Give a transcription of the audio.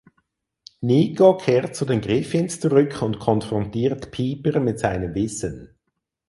Nico kehrt zu den Griffins zurück und konfrontiert Piper mit seinem Wissen.